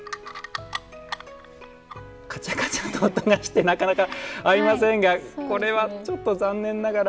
カチャカチャと音がしてなかなか、合いませんがこれは残念ながら。